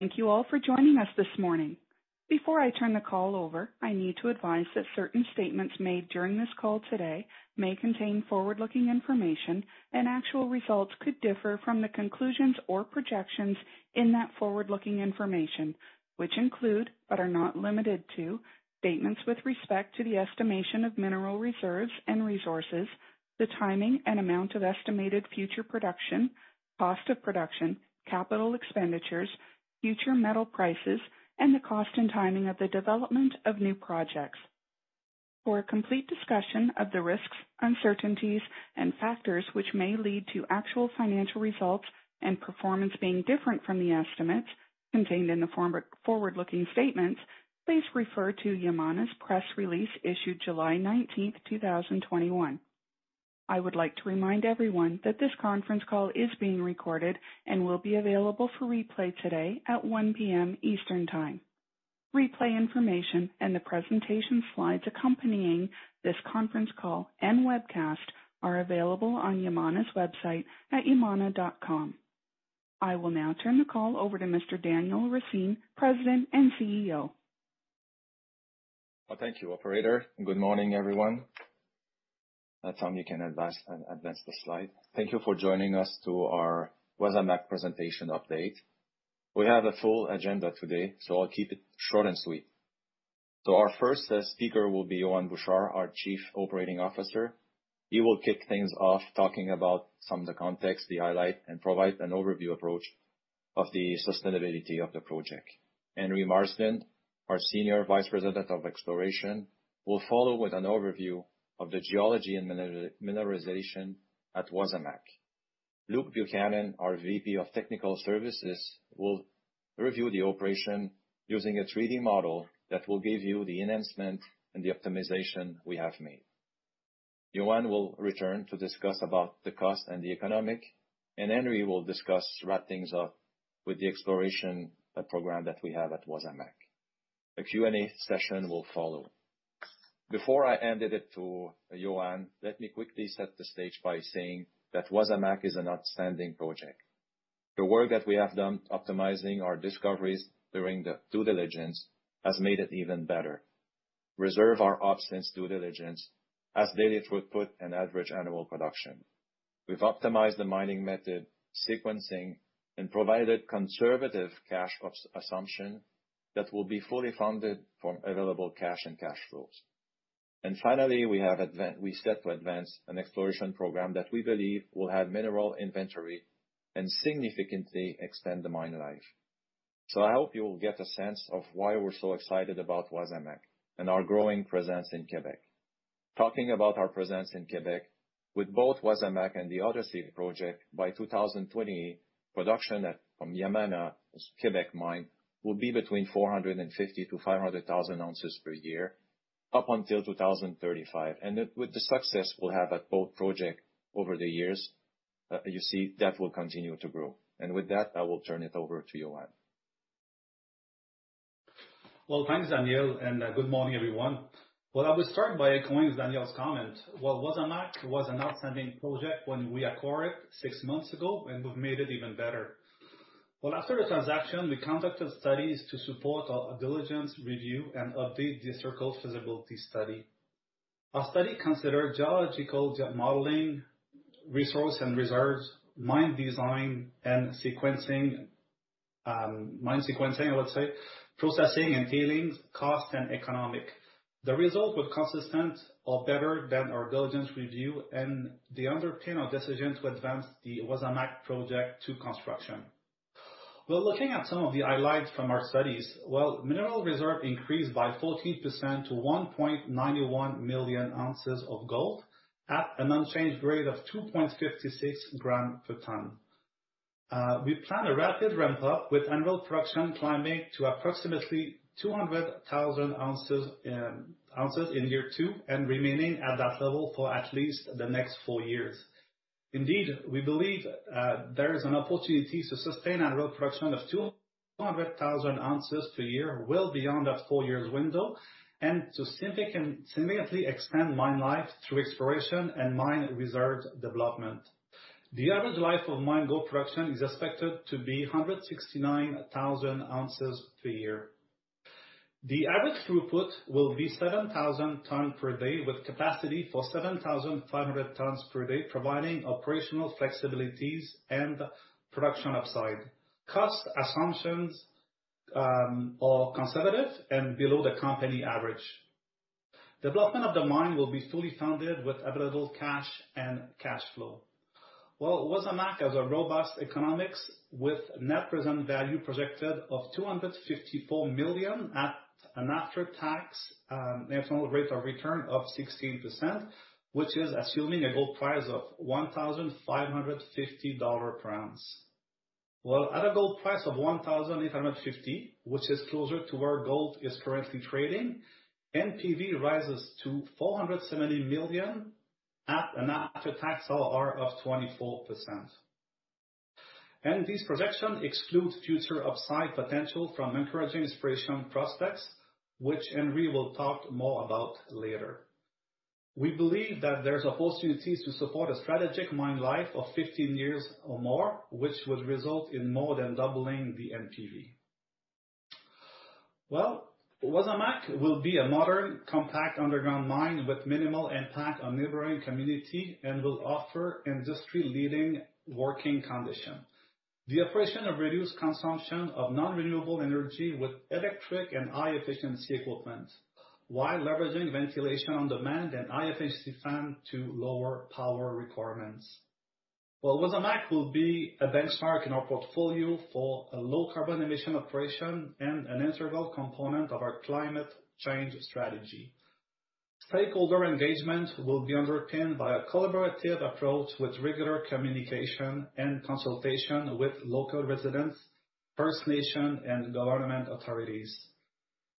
Thank you all for joining us this morning. Before I turn the call over, I need to advise that certain statements made during this call today may contain forward-looking information and actual results could differ from the conclusions or projections in that forward-looking information, which include, but are not limited to, statements with respect to the estimation of mineral reserves and resources, the timing and amount of estimated future production, cost of production, capital expenditures, future metal prices, and the cost and timing of the development of new projects. For a complete discussion of the risks, uncertainties, and factors which may lead to actual financial results and performance being different from the estimates contained in the forward-looking statements, please refer to Yamana's press release issued July 19th, 2021. I would like to remind everyone that this conference call is being recorded and will be available for replay today at 1:00 P.M. Eastern Time. Replay information and the presentation slides accompanying this conference call and webcast are available on Yamana's website at yamana.com. I will now turn the call over to Mr. Daniel Racine, President and CEO. Well, thank you, operator. Good morning, everyone. At time you can advance the slide. Thank you for joining us to our Wasamac presentation update. We have a full agenda today, so I'll keep it short and sweet. Our first speaker will be Yohann Bouchard, our Chief Operating Officer. He will kick things off talking about some of the context, the highlight, and provide an overview approach of the sustainability of the project. Henry Marsden, our Senior Vice President of Exploration, will follow with an overview of the geology and mineralization at Wasamac. Luke Buchanan, our VP of Technical Services, will review the operation using a 3D model that will give you the enhancement and the optimization we have made. Yohann will return to discuss about the cost and the economic, and Henry will wrap things up with the exploration program that we have at Wasamac. A Q&A session will follow. Before I hand it to Yohann, let me quickly set the stage by saying that Wasamac is an outstanding project. The work that we have done optimizing our discoveries during the due diligence has made it even better. Reserves, our ops since due diligence, and daily throughput and average annual production. We've optimized the mining method, sequencing, and provided conservative cash assumption that will be fully funded from available cash and cash flows. Finally, we set to advance an exploration program that we believe will have mineral inventory and significantly extend the mine life. I hope you will get a sense of why we're so excited about Wasamac and our growing presence in Quebec. Talking about our presence in Quebec, with both Wasamac and the Odyssey Project, by 2020, production from Yamana's Quebec mine will be between 450,000 oz-500,000 oz per year, up until 2035. With the success we'll have at both project over the years, you see that will continue to grow. With that, I will turn it over to Yohann. Well, thanks, Daniel, and good morning, everyone. Well, I will start by echoing Daniel's comment. Well, Wasamac was an outstanding project when we acquired it six months ago, and we've made it even better. Well, after the transaction, we conducted studies to support our due diligence review and update the [circled] feasibility study. Our study considered geological modeling, resource and reserves, mine design, and sequencing, mine sequencing, let's say, processing and tailings, cost, and economic. The results were consistent or better than our due diligence review and they underpin our decision to advance the Wasamac project to construction. Well, looking at some of the highlights from our studies. Well, mineral reserve increased by 14% to 1.91 million ounces of gold at an unchanged grade of 2.56 g/ton. We plan a rapid ramp-up with annual production climbing to approximately 200,000 oz in year two and remaining at that level for at least the next four years. Indeed, we believe there is an opportunity to sustain annual production of 200,000 oz per year well beyond that four years window, and to significantly expand mine life through exploration and mine reserve development. The average life of mine gold production is expected to be 169,000 oz per year. The average throughput will be 7,000 tons per day with capacity for 7,500 tons per day, providing operational flexibilities and production upside. Cost assumptions are conservative and below the company average. Development of the mine will be fully funded with available cash and cash flow. Well, Wasamac has robust economics with net present value projected of $254 million at an after-tax internal rate of return of 16%, which is assuming a gold price of $1,550 per ounce. Well, at a gold price of $1,850, which is closer to where gold is currently trading, NPV rises to $470 million at an after-tax IRR of 24%. These projections exclude future upside potential from encouraging exploration prospects, which Henry will talk more about later. We believe that there's opportunities to support a strategic mine life of 15 years or more, which would result in more than doubling the NPV. Well, Wasamac will be a modern, compact underground mine with minimal impact on neighboring community and will offer industry-leading working condition. The operation will reduce consumption of non-renewable energy with electric and high-efficiency equipment, while leveraging ventilation on demand and high-efficiency fan to lower power requirements. Wasamac will be a benchmark in our portfolio for a low-carbon emission operation and an integral component of our climate change strategy. Stakeholder engagement will be underpinned by a collaborative approach with regular communication and consultation with local residents, First Nation, and government authorities.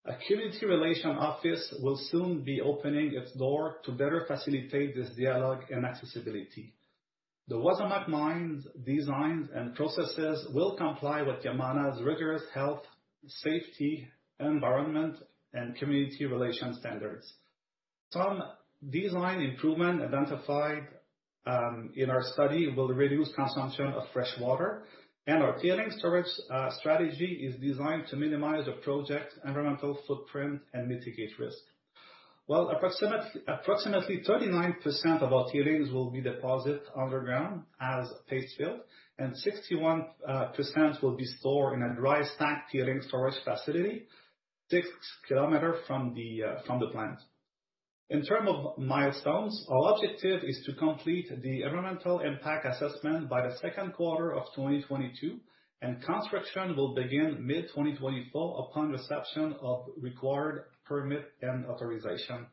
A community relation office will soon be opening its door to better facilitate this dialogue and accessibility. The Wasamac mine's designs and processes will comply with Yamana's rigorous health, safety, environment, and community relation standards. Some design improvement identified in our study will reduce consumption of fresh water, and our tailings storage strategy is designed to minimize the project's environmental footprint and mitigate risk. While approximately 39% of our tailings will be deposited underground as paste fill, and 61% will be stored in a dry stack tailings storage facility 6 km from the plant. In term of milestones, our objective is to complete the environmental impact assessment by the second quarter of 2022, and construction will begin mid-2024 upon reception of required permit and authorization.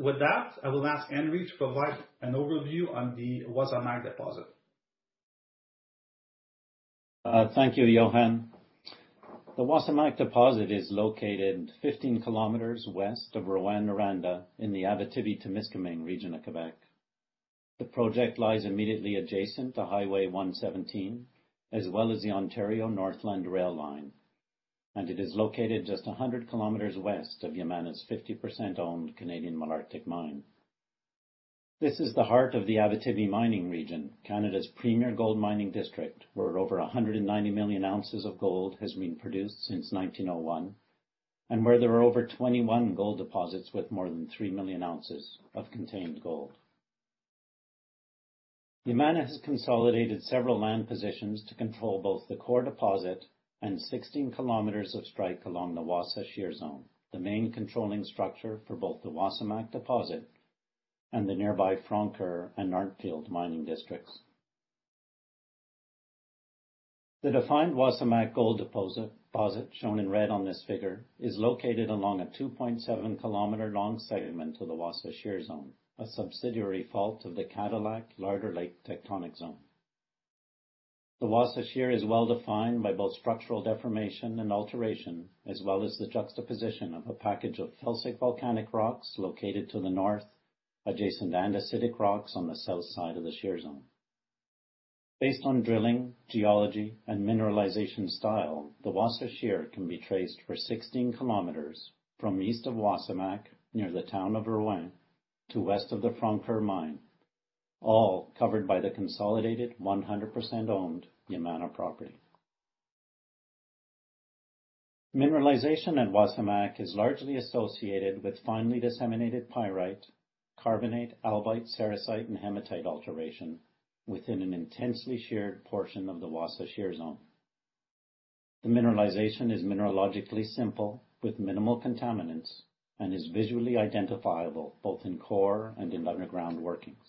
With that, I will ask Henry to provide an overview on the Wasamac deposit. Thank you, Yohann. The Wasamac deposit is located 15 km west of Rouyn-Noranda in the Abitibi-Témiscamingue region of Quebec. The project lies immediately adjacent to Highway 117, as well as the Ontario Northland rail line, and it is located just 100 km west of Yamana's 50%-owned Canadian Malartic mine. This is the heart of the Abitibi mining region, Canada's premier gold mining district, where over 190 million ounces of gold has been produced since 1901, and where there are over 21 gold deposits with more than 3 million ounces of contained gold. Yamana has consolidated several land positions to control both the core deposit and 16 km of strike along the Wasa Shear Zone, the main controlling structure for both the Wasamac deposit and the nearby Francoeur and Arntfield mining districts. The defined Wasamac gold deposit, shown in red on this figure, is located along a 2.7 km-long segment of the Wasa Shear Zone, a subsidiary fault of the Cadillac-Larder Lake tectonic zone. The Wasa Shear is well-defined by both structural deformation and alteration, as well as the juxtaposition of a package of felsic volcanic rocks located to the north, adjacent to andesitic rocks on the south side of the shear zone. Based on drilling, geology, and mineralization style, the Wasa Shear can be traced for 16 km from east of Wasamac, near the town of Rouyn, to west of the Francoeur mine, all covered by the consolidated 100% owned Yamana property. Mineralization at Wasamac is largely associated with finely disseminated pyrite, carbonate, albite, sericite, and hematite alteration within an intensely sheared portion of the Wasa Shear zone. The mineralization is mineralogically simple with minimal contaminants and is visually identifiable both in core and in underground workings.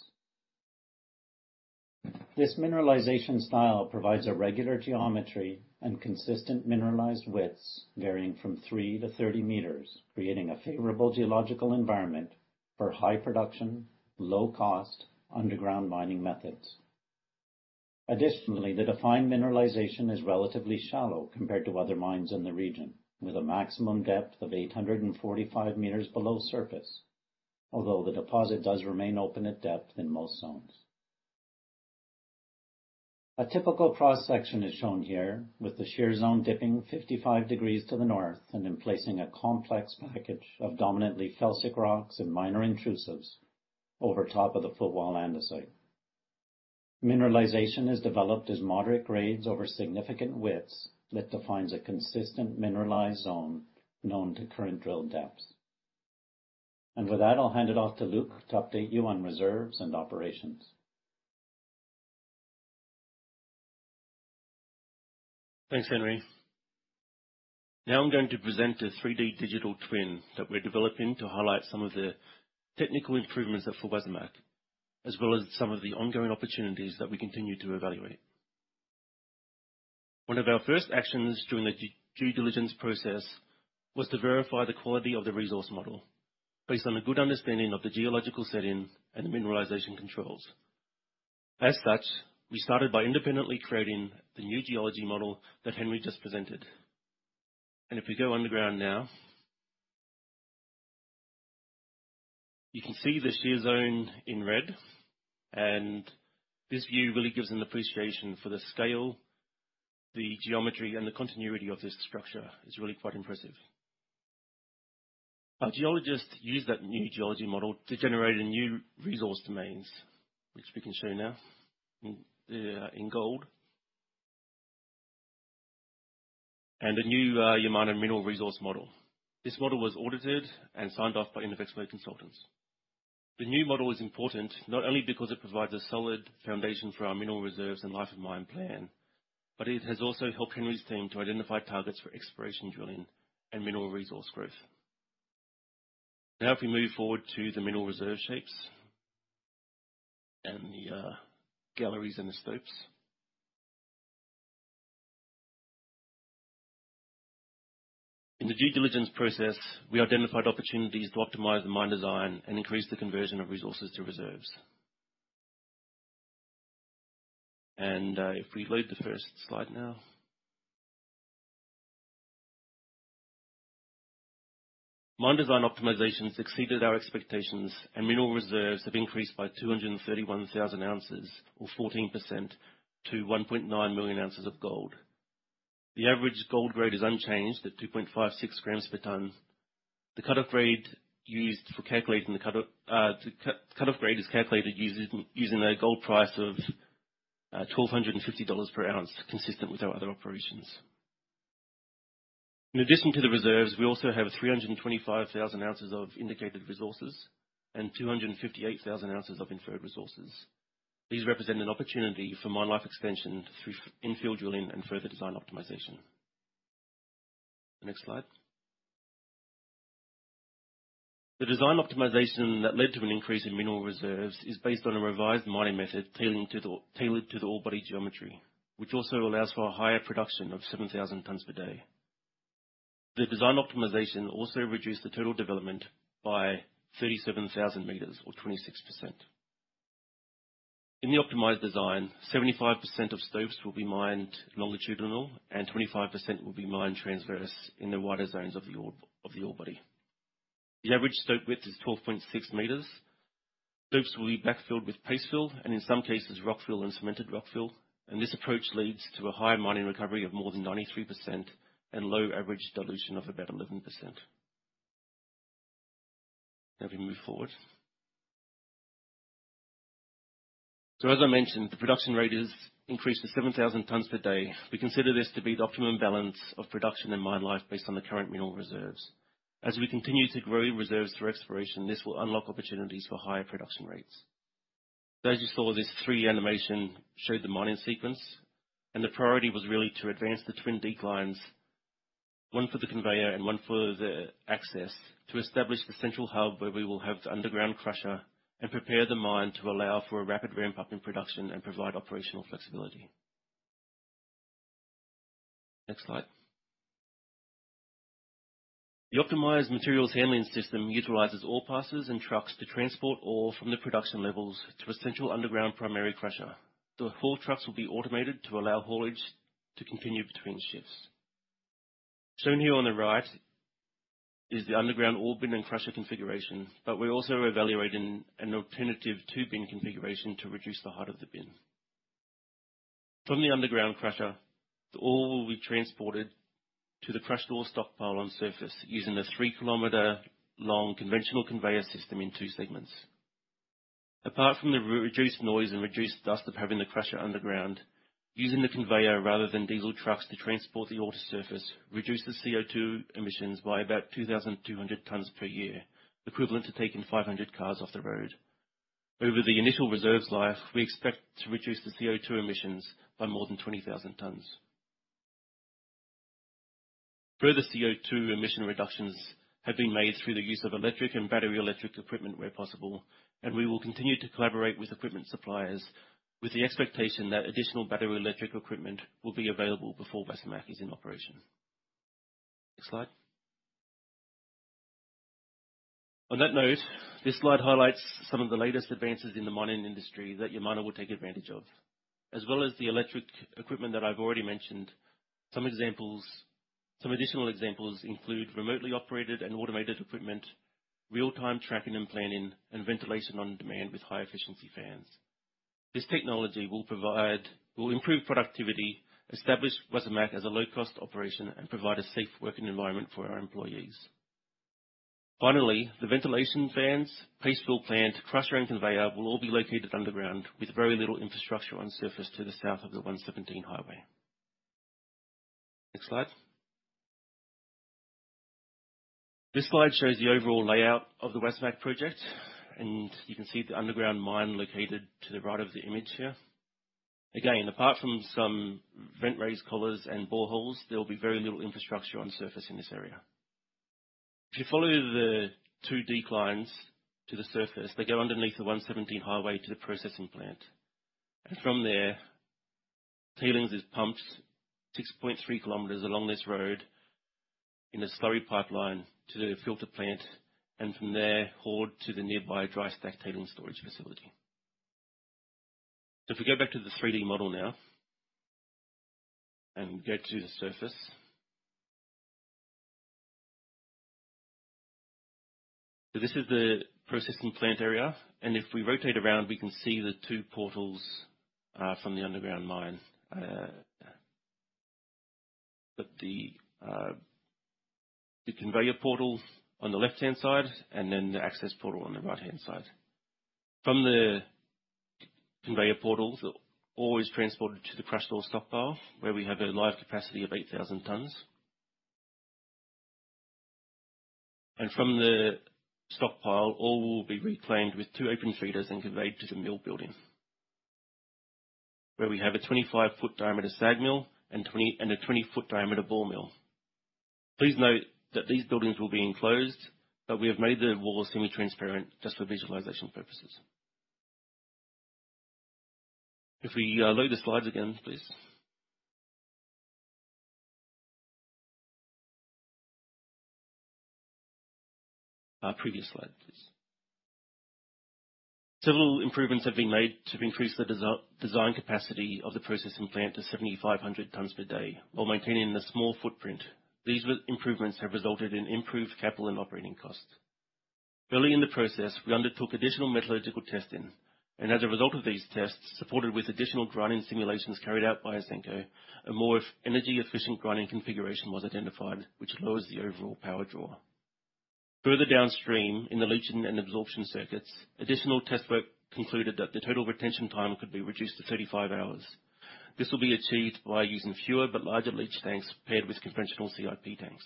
This mineralization style provides a regular geometry and consistent mineralized widths varying from 3 m-30 m, creating a favorable geological environment for high production, low cost underground mining methods. Additionally, the defined mineralization is relatively shallow compared to other mines in the region, with a maximum depth of 845 m below surface, although the deposit does remain open at depth in most zones. A typical cross-section is shown here with the Wasa Shear zone dipping 55 degrees to the north and then placing a complex package of dominantly felsic rocks and minor intrusives over top of the footwall andesite. Mineralization is developed as moderate grades over significant widths that defines a consistent mineralized zone known to current drill depths. With that, I'll hand it off to Luke to update you on reserves and operations. Thanks, Henry. I'm going to present a 3D digital twin that we're developing to highlight some of the technical improvements for Wasamac, as well as some of the ongoing opportunities that we continue to evaluate. One of our first actions during the due diligence process was to verify the quality of the resource model based on a good understanding of the geological setting and the mineralization controls. We started by independently creating the new geology model that Henry just presented. If we go underground now, you can see the shear zone in red, and this view really gives an appreciation for the scale. The geometry and the continuity of this structure is really quite impressive. Our geologists used that new geology model to generate new resource domains, which we can show now in gold, and a new Yamana mineral resource model. This model was audited and signed off by independent expert consultants. The new model is important, not only because it provides a solid foundation for our mineral reserves and life of mine plan, but it has also helped Henry's team to identify targets for exploration drilling and mineral resource growth. If we move forward to the mineral reserve shapes and the galleries and the stopes. In the due diligence process, we identified opportunities to optimize the mine design and increase the conversion of resources to reserves. If we load the first slide now. Mine design optimizations exceeded our expectations, and mineral reserves have increased by 231,000 oz or 14% to 1.9 million ounces of gold. The average gold grade is unchanged at 2.56 g/ton. The cutoff grade is calculated using a gold price of $1,250/oz, consistent with our other operations. In addition to the reserves, we also have 325,000 oz of indicated resources and 258,000 oz of inferred resources. These represent an opportunity for mine life expansion through in-field drilling and further design optimization. Next slide. The design optimization that led to an increase in mineral reserves is based on a revised mining method tailored to the ore body geometry, which also allows for a higher production of 7,000 tons per day. The design optimization also reduced the total development by 37,000 m or 26%. In the optimized design, 75% of stopes will be mined longitudinal, and 25% will be mined transverse in the wider zones of the ore body. The average stope width is 12.6 m. Stopes will be backfilled with paste fill and, in some cases, rock fill and cemented rock fill. This approach leads to a higher mining recovery of more than 93% and low average dilution of about 11%. Now we can move forward. As I mentioned, the production rate has increased to 7,000 tons per day. We consider this to be the optimum balance of production and mine life based on the current mineral reserves. As we continue to grow reserves through exploration, this will unlock opportunities for higher production rates. As you saw, this 3D animation showed the mining sequence. The priority was really to advance the twin declines, one for the conveyor and one for the access, to establish the central hub where we will have the underground crusher and prepare the mine to allow for a rapid ramp-up in production and provide operational flexibility. Next slide. The optimized materials handling system utilizes ore passes and trucks to transport ore from the production levels to a central underground primary crusher. The haul trucks will be automated to allow haulage to continue between shifts. Shown here on the right is the underground ore bin and crusher configuration, but we're also evaluating an alternative two-bin configuration to reduce the height of the bin. From the underground crusher, the ore will be transported to the crushed ore stockpile on surface using a 3 km-long conventional conveyor system in two segments. Apart from the reduced noise and reduced dust of having the crusher underground, using the conveyor rather than diesel trucks to transport the ore to surface, reduces CO2 emissions by about 2,200 tons per year, equivalent to taking 500 cars off the road. Over the initial reserve's life, we expect to reduce the CO2 emissions by more than 20,000 tons. Further CO2 emission reductions have been made through the use of electric and battery electric equipment where possible, and we will continue to collaborate with equipment suppliers with the expectation that additional battery electric equipment will be available before Wasamac is in operation. Next slide. On that note, this slide highlights some of the latest advances in the mining industry that Yamana will take advantage of. As well as the electric equipment that I've already mentioned, some additional examples include remotely operated and automated equipment, real-time tracking and planning, and ventilation on demand with high-efficiency fans. This technology will improve productivity, establish Wasamac as a low-cost operation, and provide a safe working environment for our employees. Finally, the ventilation fans, paste fill plant, crusher, and conveyor will all be located underground with very little infrastructure on surface to the south of the 117 highway. Next slide. This slide shows the overall layout of the Wasamac project, and you can see the underground mine located to the right of the image here. Again, apart from some vent raise collars and boreholes, there'll be very little infrastructure on surface in this area. If you follow the two declines to the surface, they go underneath the 117 highway to the processing plant. From there, tailings is pumped 6.3 km along this road in a slurry pipeline to the filter plant, and from there, hauled to the nearby dry stack tailings storage facility. If we go back to the 3D model now and go to the surface. This is the processing plant area, and if we rotate around, we can see the two portals from the underground mine. The conveyor portal on the left-hand side, then the access portal on the right-hand side. From the conveyor portals, the ore is transported to the crushed ore stockpile, where we have a live capacity of 8,000 tons. From the stockpile, ore will be reclaimed with two open feeders and conveyed to the mill building, where we have a 25 ft diameter SAG mill and a 20 ft diameter ball mill. Please note that these buildings will be enclosed, but we have made the walls semi-transparent just for visualization purposes. If we load the slides again, please. Previous slide, please. Several improvements have been made to increase the design capacity of the processing plant to 7,500 tons per day while maintaining the small footprint. These improvements have resulted in improved capital and operating costs. Early in the process, we undertook additional metallurgical testing. As a result of these tests, supported with additional grinding simulations carried out by Ausenco, a more energy-efficient grinding configuration was identified, which lowers the overall power draw. Further downstream, in the leaching and absorption circuits, additional test work concluded that the total retention time could be reduced to 35 hours. This will be achieved by using fewer but larger leach tanks paired with conventional CIP tanks.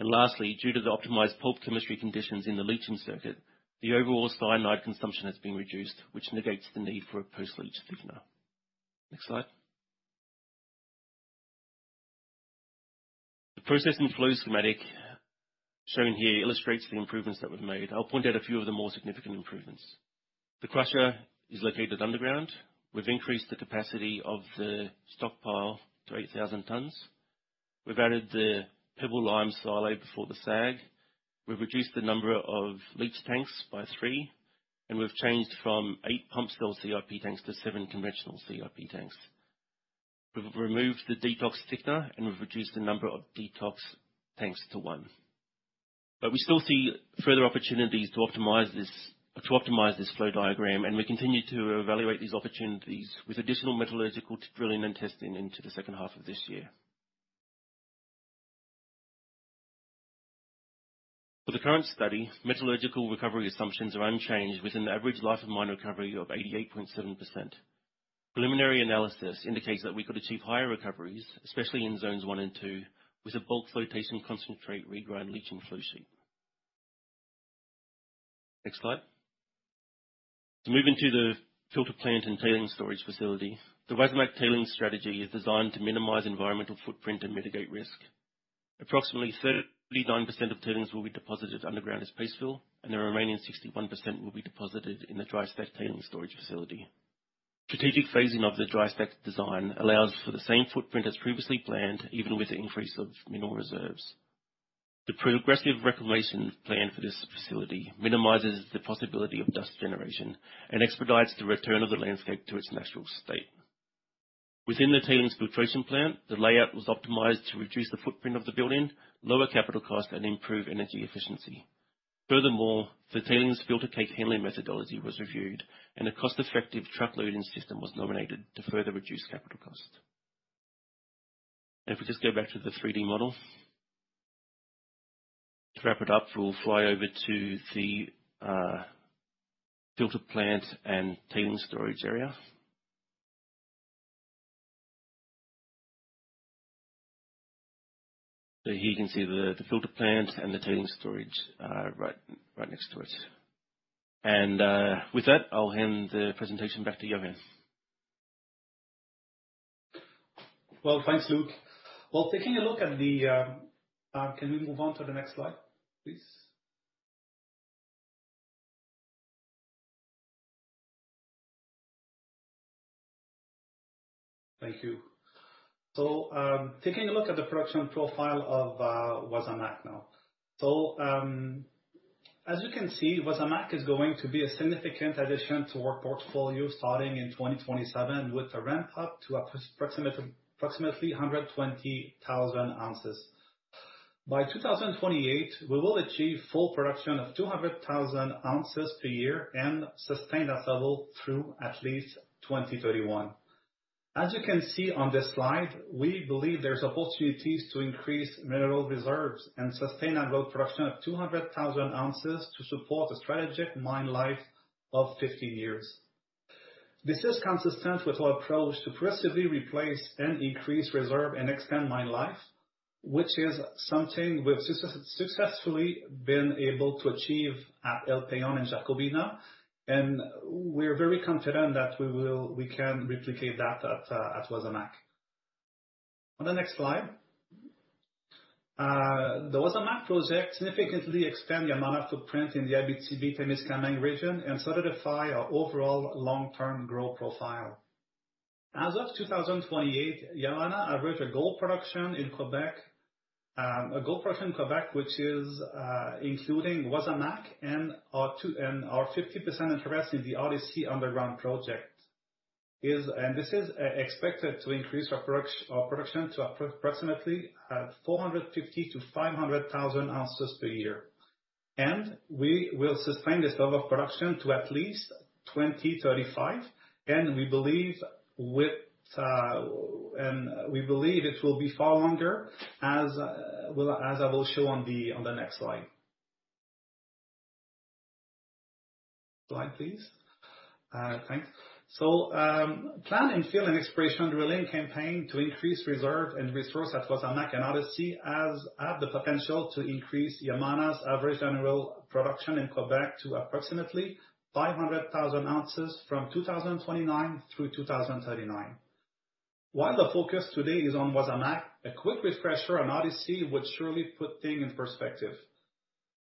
Lastly, due to the optimized pulp chemistry conditions in the leaching circuit, the overall cyanide consumption has been reduced, which negates the need for a post-leach thickener. Next slide. The process and flow schematic shown here illustrates the improvements that we've made. I'll point out a few of the more significant improvements. The crusher is located underground. We've increased the capacity of the stockpile to 8,000 tons. We've added the pebble lime silo before the SAG. We've reduced the number of leach tanks by three, and we've changed from eight pump cell CIP tanks to seven conventional CIP tanks. We've removed the detox thickener, and we've reduced the number of detox tanks to one. We still see further opportunities to optimize this flow diagram, and we continue to evaluate these opportunities with additional metallurgical drilling and testing into the second half of this year. For the current study, metallurgical recovery assumptions are unchanged with an average life of mine recovery of 88.7%. Preliminary analysis indicates that we could achieve higher recoveries, especially in Zones 1 and 2, with a bulk flotation concentrate regrind leaching flow sheet. Next slide. To move into the filter plant and tailings storage facility. The Wasamac tailings strategy is designed to minimize environmental footprint and mitigate risk. Approximately 39% of tailings will be deposited underground as paste fill, and the remaining 61% will be deposited in the dry stack tailings storage facility. Strategic phasing of the dry stack design allows for the same footprint as previously planned, even with the increase of mineral reserves. The progressive reclamation plan for this facility minimizes the possibility of dust generation and expedites the return of the landscape to its natural state. Within the tailings filtration plant, the layout was optimized to reduce the footprint of the building, lower capital cost, and improve energy efficiency. Furthermore, the tailings filter cake handling methodology was reviewed, and a cost-effective truck loading system was nominated to further reduce capital cost. If we just go back to the 3D model. To wrap it up, we'll fly over to the filter plant and tailings storage area. Here you can see the filter plant and the tailings storage right next to it. With that, I'll hand the presentation back to Yohann. Thanks, Luke. Can we move on to the next slide, please? Thank you. Taking a look at the production profile of Wasamac now. As you can see, Wasamac is going to be a significant addition to our portfolio starting in 2027 with a ramp up to approximately 120,000 oz. By 2028, we will achieve full production of 200,000 oz per year and sustain that level through at least 2031. As you can see on this slide, we believe there's opportunities to increase mineral reserves and sustain at low production of 200,000 oz to support a strategic mine life of 15 years. This is consistent with our approach to progressively replace and increase reserve and extend mine life, which is something we've successfully been able to achieve at El Peñón and Jacobina, and we're very confident that we can replicate that at Wasamac. On the next slide. The Wasamac project significantly extend Yamana footprint in the Abitibi-Témiscamingue region and solidify our overall long-term growth profile. As of 2028, Yamana average a gold production in Quebec, which is including Wasamac and our 50% interest in the Odyssey underground project. This is expected to increase our production to approximately 450,000 oz-500,000 oz per year. We will sustain this level of production to at least 2035, and we believe it will be far longer, as I will show on the next slide. Slide, please. Thanks. Planned infill and exploration drilling campaign to increase reserve and resource at Wasamac and Odyssey have the potential to increase Yamana's average annual production in Quebec to approximately 500,000 oz from 2029 through 2039. While the focus today is on Wasamac, a quick refresher on Odyssey would surely put things in perspective.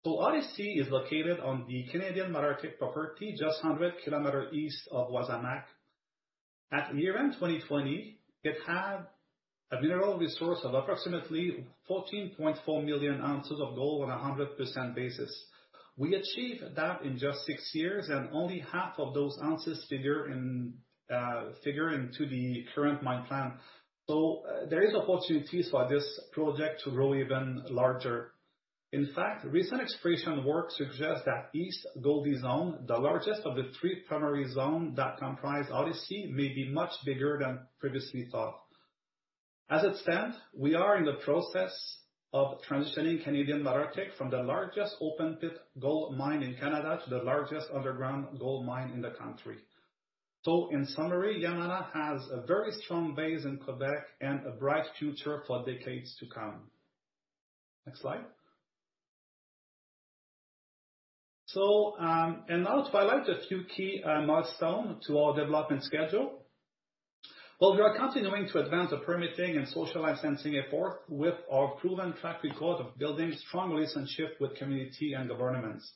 Odyssey is located on the Canadian Malartic property just 100 km east of Wasamac. At year-end 2020, it had a mineral resource of approximately 14.4 million ounces of gold on a 100% basis. We achieved that in just six years, and only half of those ounces figure into the current mine plan. There is opportunities for this project to grow even larger. In fact, recent exploration work suggests that East Gouldie zone, the largest of the three primary zones that comprise Odyssey, may be much bigger than previously thought. As it stands, we are in the process of transitioning Canadian Malartic from the largest open-pit gold mine in Canada to the largest underground gold mine in the country. In summary, Yamana has a very strong base in Quebec and a bright future for decades to come. Next slide. I'll highlight a few key milestones to our development schedule. While we are continuing to advance the permitting and social licensing effort with our proven track record of building strong relationships with community and governments.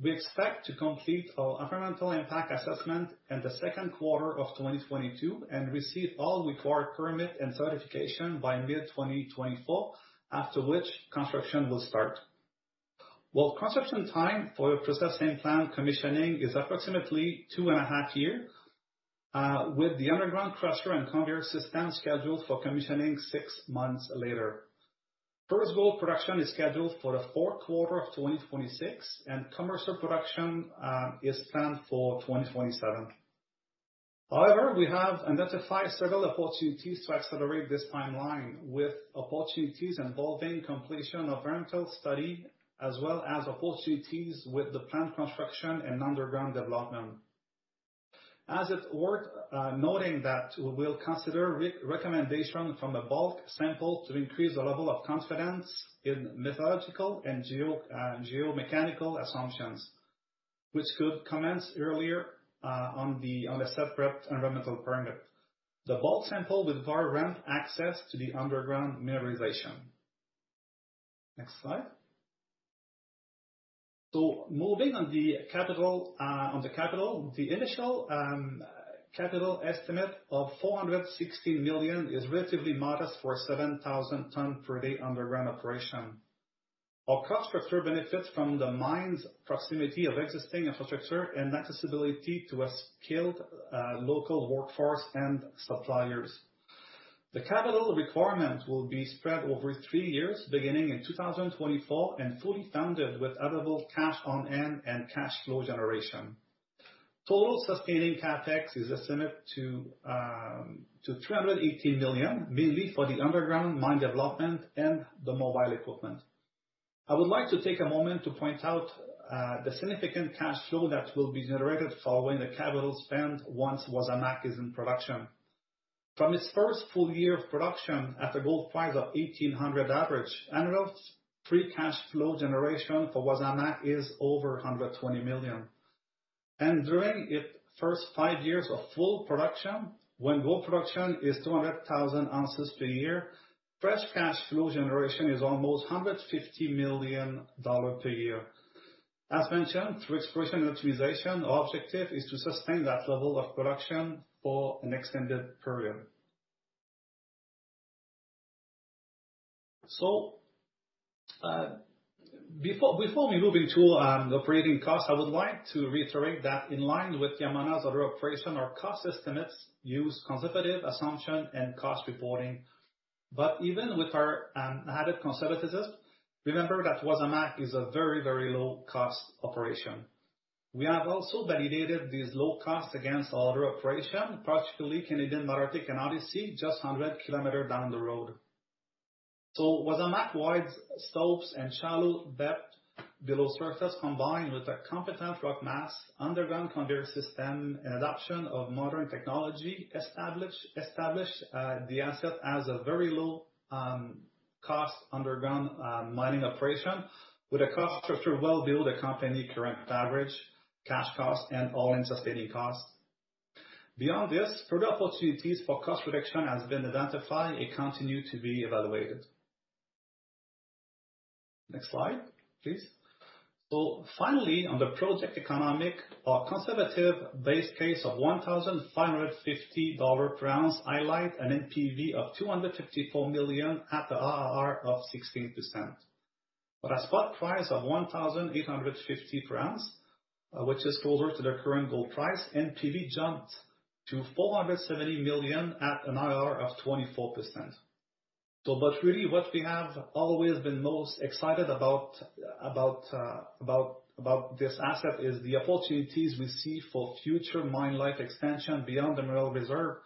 We expect to complete our environmental impact assessment in the second quarter of 2022 and receive all required permits and certification by mid-2024, after which construction will start. While construction time for the processing plant commissioning is approximately 2.5 years, with the underground crusher and conveyor system scheduled for commissioning six months later. First gold production is scheduled for the fourth quarter of 2026, and commercial production is planned for 2027. However, we have identified several opportunities to accelerate this timeline, with opportunities involving completion of environmental study as well as opportunities with the plant construction and underground development. As it's worth noting that we'll consider recommendation from the bulk sample to increase the level of confidence in metallurgical and geo-mechanical assumptions, which could commence earlier on the separate environmental permit. The bulk sample with ramp access to the underground mineralization. Next slide. Moving on the capital. The initial capital estimate of $416 million is relatively modest for 7,000 tons per day underground operation. Our cost structure benefits from the mine's proximity of existing infrastructure and accessibility to a skilled local workforce and suppliers. The capital requirement will be spread over three years, beginning in 2024 and fully funded with available cash on hand and cash flow generation. Total sustaining CapEx is estimated to $318 million, mainly for the underground mine development and the mobile equipment. I would like to take a moment to point out the significant cash flow that will be generated following the capital spend once Wasamac is in production. From its first full year of production at a gold price of $1,800 average, annual free cash flow generation for Wasamac is over $120 million. During its first five years of full production, when gold production is 200,000 oz per year, free cash flow generation is almost $150 million per year. As mentioned, through exploration optimization, our objective is to sustain that level of production for an extended period. Before we move into the operating cost, I would like to reiterate that in line with Yamana's other operation, our cost estimates use conservative assumption and cost reporting. Even with our added conservatism, remember that Wasamac is a very low-cost operation. We have also validated these low costs against our other operation, particularly Canadian Malartic and Odyssey, just 100 km down the road. Wasamac wide stopes and shallow depth below surface, combined with a competent rock mass, underground conveyor system, and adoption of modern technology establish the asset as a very low-cost underground mining operation with a cost structure well below the company current average cash cost and all-in sustaining cost. Beyond this, further opportunities for cost reduction has been identified and continue to be evaluated. Next slide, please. Finally, on the project economic, our conservative base case of $1,550/oz highlight an NPV of $254 million at the IRR of 16%. With a spot price of $1,850/oz, which is closer to the current gold price, NPV jumped to $470 million at an IRR of 24%. Really, what we have always been most excited about this asset is the opportunities we see for future mine life expansion beyond the mineral reserve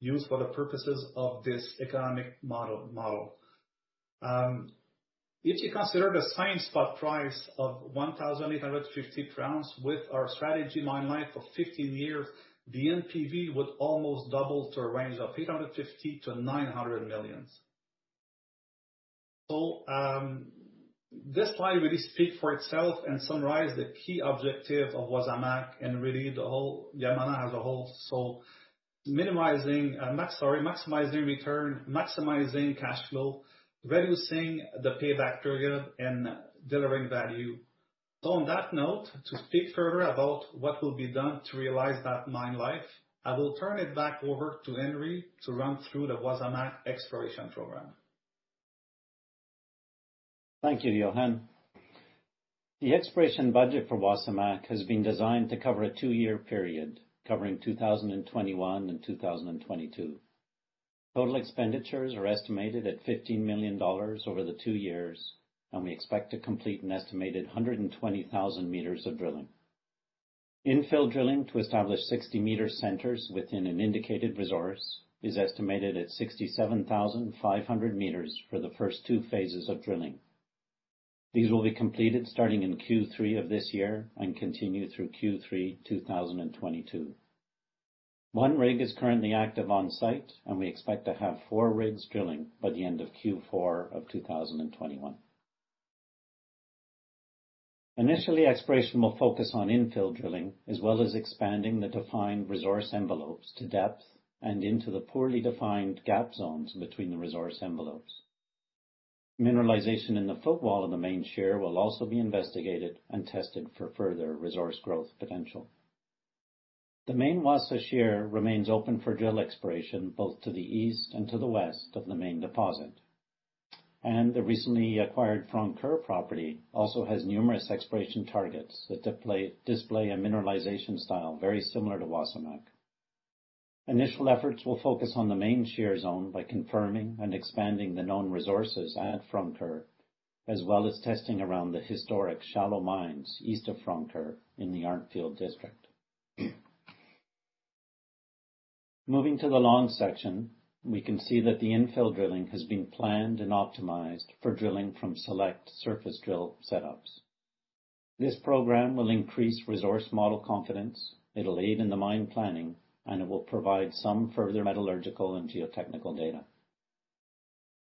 used for the purposes of this economic model. If you consider the same spot price of $1,850/oz with our strategic mine life of 15 years, the NPV would almost double to a range of $850 million-$900 million. This slide really speak for itself and summarize the key objective of Wasamac and really Yamana as a whole. Maximizing return, maximizing cash flow, reducing the payback period, and delivering value. On that note, to speak further about what will be done to realize that mine life, I will turn it back over to Henry to run through the Wasamac exploration program. Thank you, Yohann. The exploration budget for Wasamac has been designed to cover a two-year period, covering 2021 and 2022. Total expenditures are estimated at $15 million over the two years, and we expect to complete an estimated 120,000 m of drilling. Infill drilling to establish 60 m centers within an indicated resource is estimated at 67,500 m for the first two phases of drilling. These will be completed starting in Q3 of this year and continue through Q3 2022. One rig is currently active on site, and we expect to have four rigs drilling by the end of Q4 of 2021. Initially, exploration will focus on infill drilling, as well as expanding the defined resource envelopes to depth and into the poorly defined gap zones between the resource envelopes. Mineralization in the footwall of the main shear will also be investigated and tested for further resource growth potential. The main Wasa Shear remains open for drill exploration both to the east and to the west of the main deposit. The recently acquired Francoeur property also has numerous exploration targets that display a mineralization style very similar to Wasamac. Initial efforts will focus on the main shear zone by confirming and expanding the known resources at Francoeur, as well as testing around the historic shallow mines east of Francoeur in the Arntfield district. Moving to the long section, we can see that the infill drilling has been planned and optimized for drilling from select surface drill setups. This program will increase resource model confidence, it'll aid in the mine planning, and it will provide some further metallurgical and geotechnical data.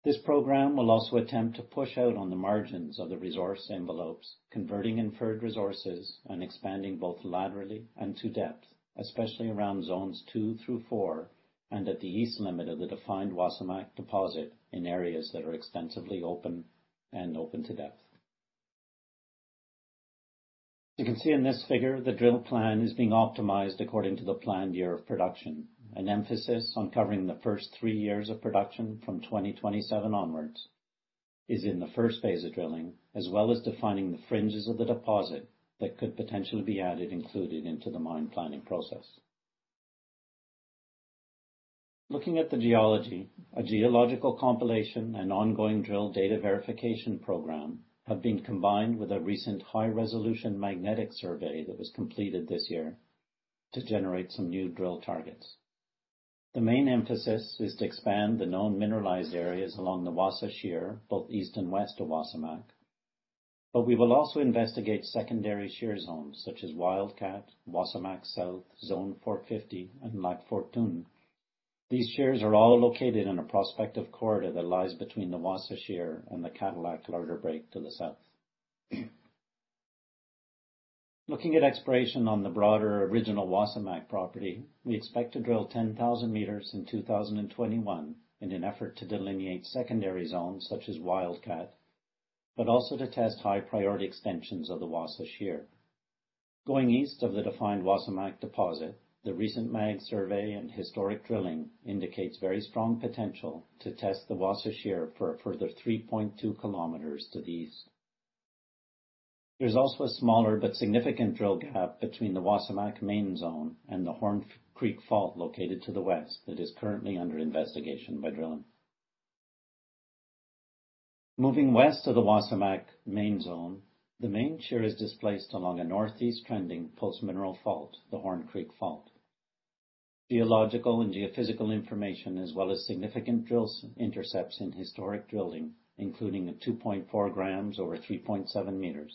This program will also attempt to push out on the margins of the resource envelopes, converting inferred resources and expanding both laterally and to depth, especially around Zones 2 through 4, and at the east limit of the defined Wasamac deposit in areas that are extensively open and open to depth. You can see in this figure, the drill plan is being optimized according to the planned year of production. An emphasis on covering the first three years of production from 2027 onwards is in the first phase of drilling, as well as defining the fringes of the deposit that could potentially be added, included into the mine planning process. Looking at the geology, a geological compilation and ongoing drill data verification program have been combined with a recent high-resolution magnetic survey that was completed this year to generate some new drill targets. The main emphasis is to expand the known mineralized areas along the Wasa Shear, both east and west of Wasamac. We will also investigate secondary shear zones, such as Wildcat, Wasamac South, Zone 450, and Lac Fortune. These shears are all located in a prospective corridor that lies between the Wasa Shear and the Cadillac-Larder Break to the south. Looking at exploration on the broader original Wasamac property, we expect to drill 10,000 m in 2021 in an effort to delineate secondary zones such as Wildcat, also to test high-priority extensions of the Wasa Shear. Going east of the defined Wasamac deposit, the recent mag survey and historic drilling indicates very strong potential to test the Wasa Shear for a further 3.2 km to the east. There is also a smaller but significant drill gap between the Wasamac main zone and the Horne Creek Fault located to the west that is currently under investigation by drilling. Moving west of the Wasamac main zone, the main shear is displaced along a northeast trending post-mineral fault, the Horne Creek Fault. Geological and geophysical information, as well as significant drill intercepts in historic drilling, including a 2.4 g over 3.7 m,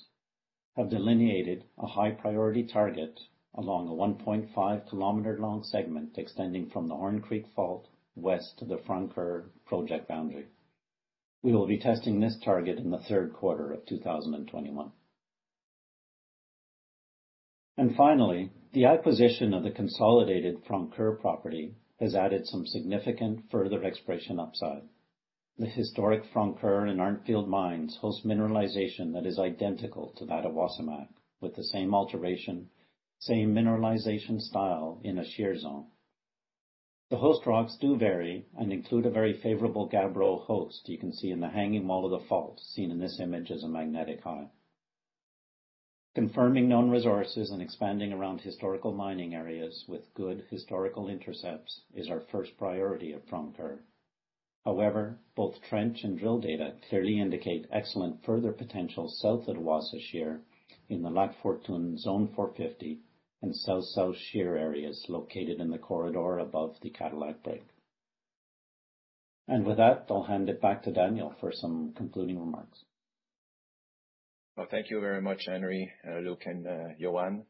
have delineated a high priority target along a 1.5 km-long segment extending from the Horne Creek Fault west to the Francoeur project boundary. We will be testing this target in the third quarter of 2021. Finally, the acquisition of the consolidated Francoeur property has added some significant further exploration upside. The historic Francoeur and Arntfield mines host mineralization that is identical to that of Wasamac, with the same alteration, same mineralization style in a shear zone. The host rocks do vary and include a very favorable gabbro host you can see in the hanging wall of the fault, seen in this image as a magnetic high. Confirming known resources and expanding around historical mining areas with good historical intercepts is our first priority at Francoeur. However, both trench and drill data clearly indicate excellent further potential south at Wasa Shear in the Lac Fortune, Zone 450, and South South Shear areas located in the corridor above the Cadillac Break. With that, I'll hand it back to Daniel for some concluding remarks. Well, thank you very much, Henry, Luke, and Yohann.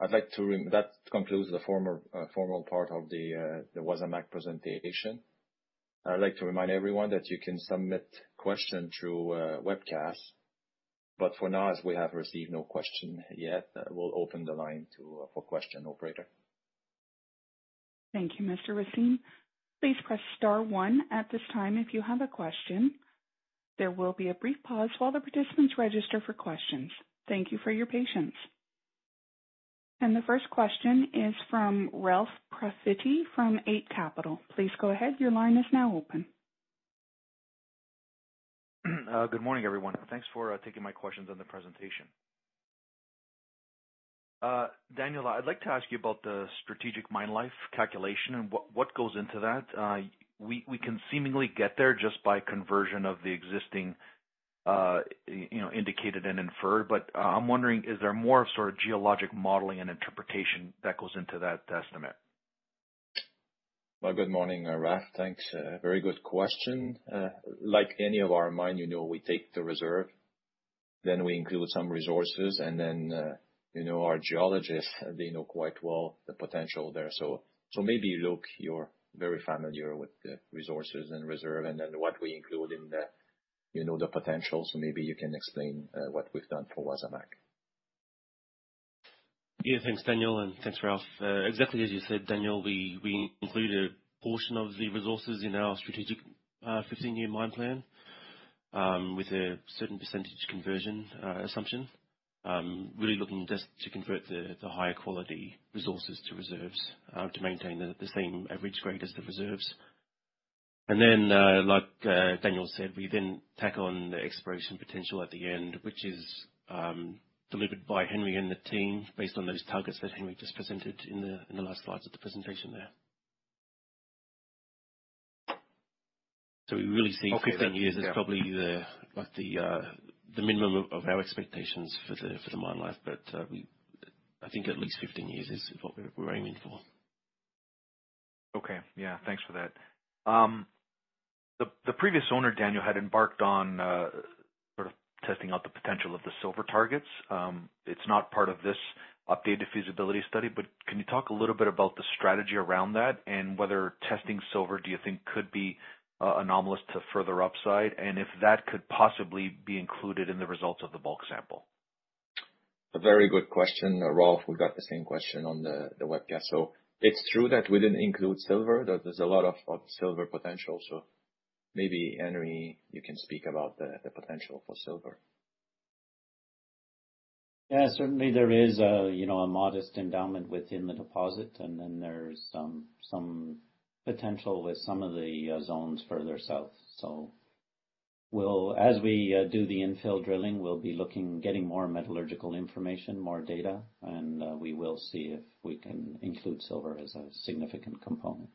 That concludes the formal part of the Wasamac presentation. I'd like to remind everyone that you can submit questions through webcast. For now, as we have received no questions yet. We'll open the line for question, operator. Thank you, Mr. Racine. Please press star one at this time if you have a question. There will be a brief pause while the participants register for questions. Thank you for your patience. The first question is from Ralph Profiti from Eight Capital. Please go ahead. Your line is now open. Good morning, everyone. Thanks for taking my questions on the presentation. Daniel, I'd like to ask you about the strategic mine life calculation and what goes into that. We can seemingly get there just by conversion of the existing indicated and inferred, but I'm wondering, is there more sort of geologic modeling and interpretation that goes into that estimate? Well, good morning, Ralph. Thanks. Very good question. Like any of our mine, we take the reserve, then we include some resources, and then our geologists, they know quite well the potential there. Maybe, Luke, you're very familiar with the resources and reserve and then what we include in the potentials. Maybe you can explain what we've done for Wasamac. Yeah, thanks, Daniel, and thanks, Ralph. Exactly as you said, Daniel, we include a portion of the resources in our strategic 15-year mine plan with a certain percentage conversion assumption. Really looking just to convert the higher quality resources to reserves to maintain the same average grade as the reserves. Like Daniel said, we then tack on the exploration potential at the end, which is delivered by Henry and the team based on those targets that Henry just presented in the last slides of the presentation there. Okay, then. Yeah. We will probably see the minimum of our expectations for the mine life. I think at least 15 years is what we're aiming for. Okay. Yeah. Thanks for that. The previous owner, Daniel, had embarked on sort of testing out the potential of the silver targets. It's not part of this updated feasibility study, but can you talk a little bit about the strategy around that and whether testing silver, do you think could be anomalous to further upside, and if that could possibly be included in the results of the bulk sample? A very good question, Ralph. We got the same question on the webcast. It's true that we didn't include silver, there's a lot of silver potential. Maybe, Henry, you can speak about the potential for silver. Yeah, certainly there is a modest endowment within the deposit, and then there's some potential with some of the zones further south. As we do the infill drilling, we'll be getting more metallurgical information, more data, and we will see if we can include silver as a significant component.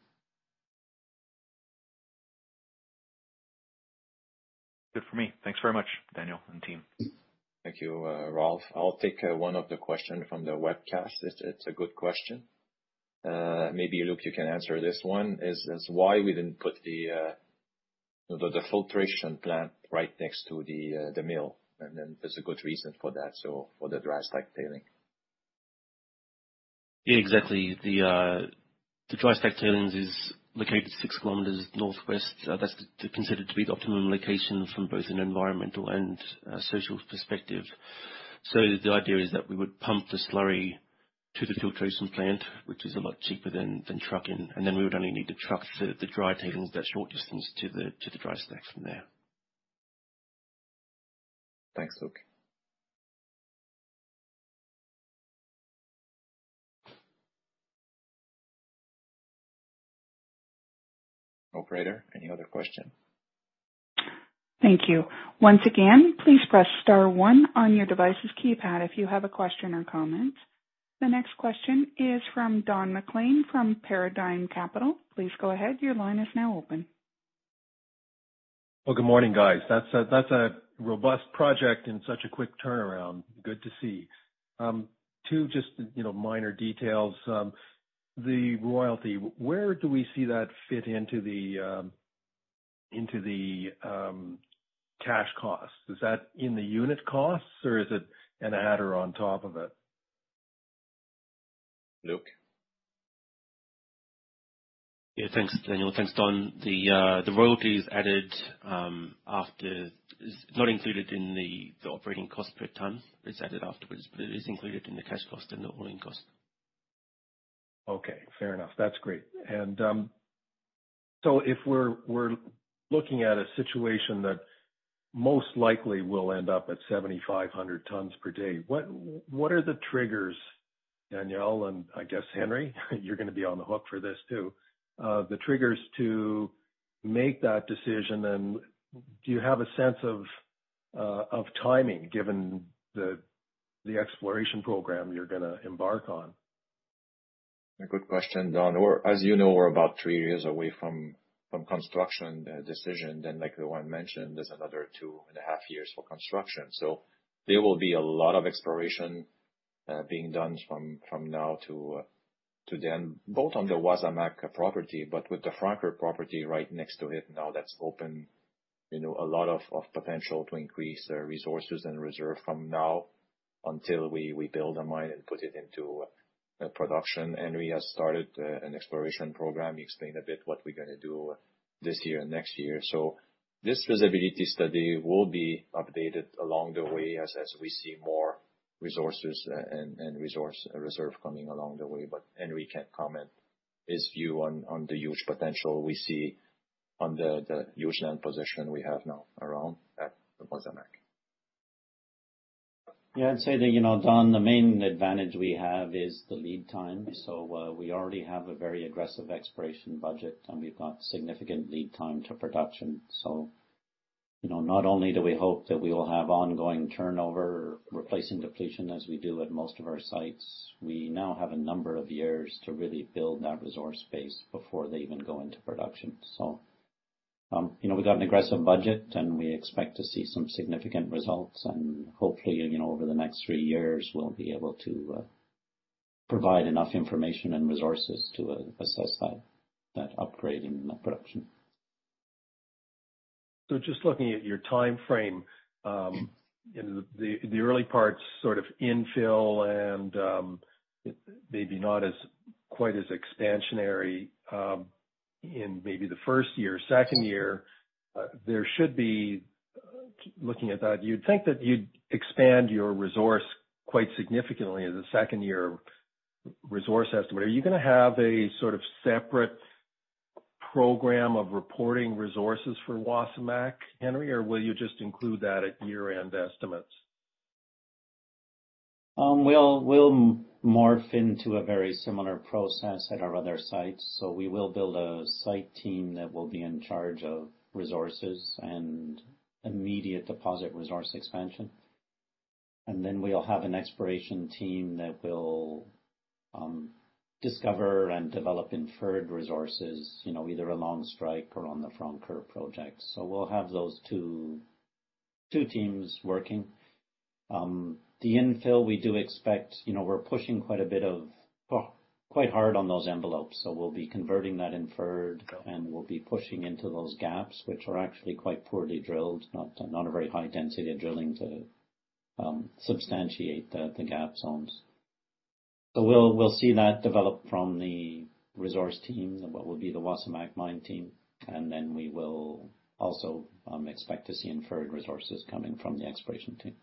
Good for me. Thanks very much, Daniel and team. Thank you, Ralph. I'll take one of the questions from the webcast. It's a good question. Maybe, Luke, you can answer this one, is why we didn't put the filtration plant right next to the mill? There's a good reason for that, so for the dry stack tailings. Yeah, exactly. The dry stack tailings is located 6 km northwest. That's considered to be the optimum location from both an environmental and social perspective. The idea is that we would pump the slurry to the filtration plant, which is a lot cheaper than trucking, and then we would only need to truck the dry tailings that short distance to the dry stack from there. Thanks, Luke. Operator, any other question? Thank you. Once again, please press star one on your device's keypad if you have a question or comment. The next question is from Don MacLean from Paradigm Capital. Please go ahead. Your line is now open. Well, good morning, guys. That's a robust project and such a quick turnaround. Good to see. Just two minor details. The royalty, where do we see that fit into the cash cost? Is that in the unit cost, or is it an adder on top of it? Luke. Thanks, Daniel. Thanks, Don. The royalty is not included in the operating cost per ton. It's added afterwards, it is included in the cash cost and the all-in cost. Okay. Fair enough. That's great. If we're looking at a situation that most likely will end up at 7,500 tons per day, what are the triggers, Daniel, and I guess, Henry, you're going to be on the hook for this too, the triggers to make that decision, and do you have a sense of timing given the exploration program you're going to embark on? A good question, Don. As you know, we're about three years away from construction decision, then like Yohann mentioned, there's another 2.5 years for construction. There will be a lot of exploration being done from now till then, both on the Wasamac property, but with the Francoeur property right next to it now that's open, a lot of potential to increase the resources and reserve from now until we build a mine and put it into production. Henry has started an exploration program. He explained a bit what we're going to do this year and next year. This feasibility study will be updated along the way as we see more resources and resource reserve coming along the way. Henry can comment his view on the huge potential we see on the huge land position we have now around at the Wasamac. Yeah, I'd say that, Don, the main advantage we have is the lead time. We already have a very aggressive exploration budget, and we've got significant lead time to production. Not only do we hope that we will have ongoing turnover, replacing depletion as we do at most of our sites, we now have a number of years to really build that resource base before they even go into production. We've got an aggressive budget, and we expect to see some significant results and hopefully, over the next three years, we'll be able to provide enough information and resources to assess that upgrade and that production. Just looking at your timeframe, in the early parts sort of infill and maybe not as quite as expansionary, in maybe the first year, second year, there should be, looking at that, you'd think that you'd expand your resource quite significantly as a second-year resource estimate. Are you going to have a sort of separate program of reporting resources for Wasamac, Henry, or will you just include that at year-end estimates? We'll morph into a very similar process at our other sites. We will build a site team that will be in charge of resources and immediate deposit resource expansion. Then we'll have an exploration team that will discover and develop inferred resources, either along strike or on the Francoeur project. We'll have those two teams working. The infill we do expect, we're pushing quite hard on those envelopes. We'll be converting that inferred and we'll be pushing into those gaps, which are actually quite poorly drilled, not a very high density of drilling to substantiate the gap zones. We'll see that develop from the resource teams and what will be the Wasamac mine team, and then we will also expect to see inferred resources coming from the exploration team.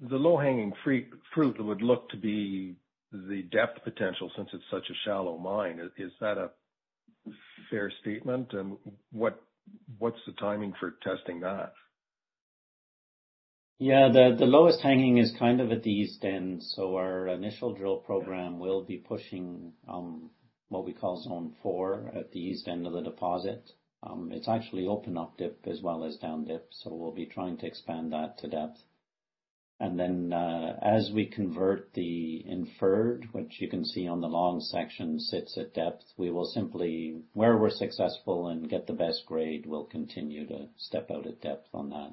The low-hanging fruit would look to be the depth potential since it's such a shallow mine. Is that a fair statement? What's the timing for testing that? Yeah. The lowest hanging is kind of at the east end, Our initial drill program will be pushing what we call Zone 4 at the east end of the deposit. It is actually open up dip as well as down dip, We will be trying to expand that to depth. As we convert the inferred, which you can see on the long section, sits at depth, we will simply, where we are successful and get the best grade, we will continue to step out at depth on that.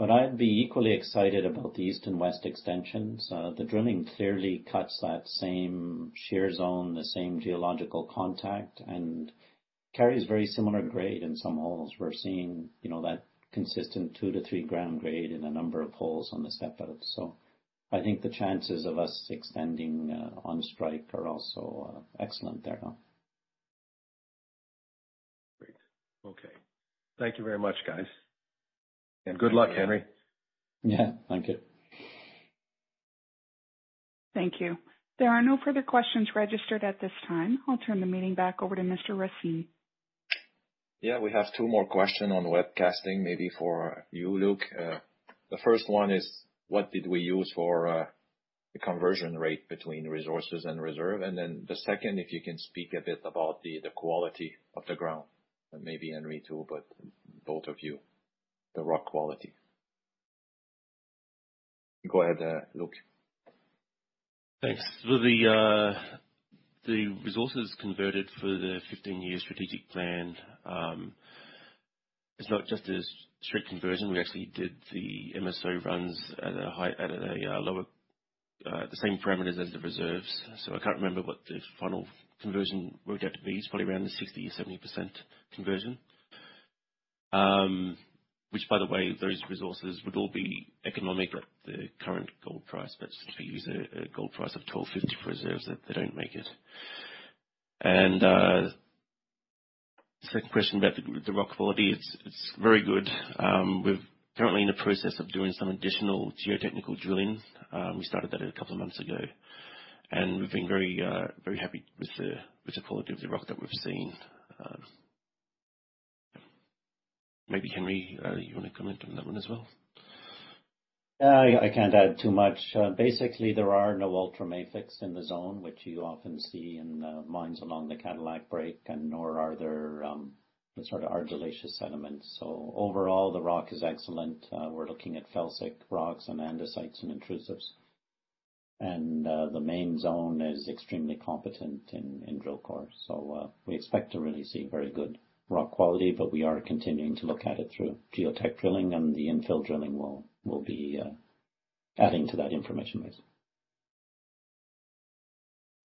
I would be equally excited about the east and west extensions. The drilling clearly cuts that same shear zone, the same geological contact, and carries very similar grade in some holes. We are seeing that consistent 2 g-3 g grade in a number of holes on the step out. I think the chances of us extending on strike are also excellent there. Great. Okay. Thank you very much, guys. Good luck, Henry. Yeah. Thank you. Thank you. There are no further questions registered at this time. I'll turn the meeting back over to Mr. Racine. Yeah, we have two more question on webcasting, maybe for you, Luke. The first one is what did we use for the conversion rate between resources and reserve? The second, if you can speak a bit about the quality of the ground. Maybe Henry too, but both of you. The rock quality. Go ahead, Luke. Thanks. The resources converted for the 15-year strategic plan, it's not just a strict conversion. We actually did the MSO runs at the same parameters as the reserves. I can't remember what the final conversion worked out to be. It's probably around the 60% or 70% conversion. Which by the way, those resources would all be economic at the current gold price, but since we use a gold price of $1,250, reserves that they don't make it. Second question about the rock quality. It's very good. We're currently in the process of doing some additional geotechnical drilling. We started that a couple of months ago, and we've been very happy with the quality of the rock that we've seen. Maybe Henry, you want to comment on that one as well? I can't add too much. There are no ultramafics in the zone, which you often see in mines along the Cadillac Break, and nor are there argillaceous sediments. Overall, the rock is excellent. We're looking at felsic rocks and andesites and intrusives. The main zone is extremely competent in drill core. We expect to really see very good rock quality, but we are continuing to look at it through geotech drilling, and the infill drilling will be adding to that information base.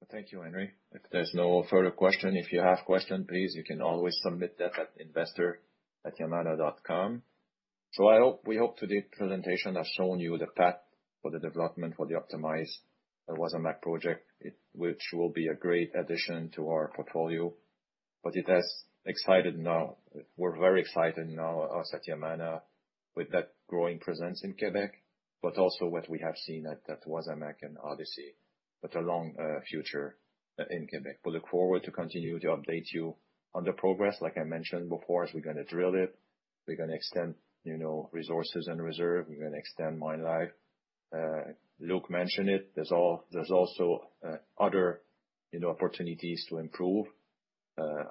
Thank you, Henry. If there's no further question, if you have question, please, you can always submit that at investor@yamana.com. We hope today's presentation has shown you the path for the development for the optimized Wasamac project, which will be a great addition to our portfolio. We're very excited now us at Yamana with that growing presence in Quebec, but also what we have seen at Wasamac and Odyssey, with a long future in Quebec. We look forward to continue to update you on the progress. Like I mentioned before, as we're going to drill it, we're going to extend resources and reserve. We're going to extend mine life. Luke mentioned it. There's also other opportunities to improve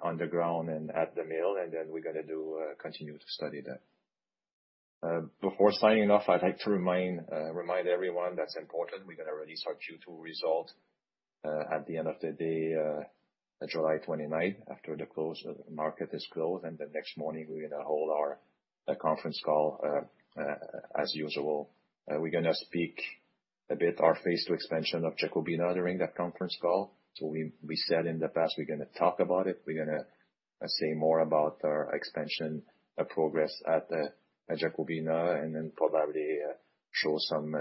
underground and at the mill, and then we're going to do continue to study that. Before signing off, I'd like to remind everyone that's important, we're going to release our Q2 result at the end of the day, July 29th, after the market is closed. The next morning, we're going to hold our conference call as usual. We're going to speak a bit our phase II expansion of Jacobina during that conference call. We said in the past, we're going to talk about it. We're going to say more about our expansion progress at Jacobina, then probably show some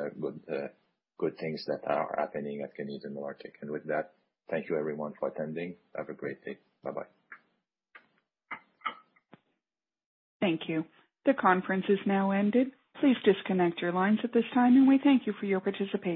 good things that are happening at Canadian Malartic. With that, thank you everyone for attending. Have a great day. Bye-bye. Thank you. The conference has now ended. Please disconnect your lines at this time, and we thank you for your participation